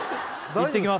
行ってきます